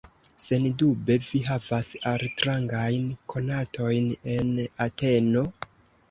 Sendube vi havas altrangajn konatojn en Ateno?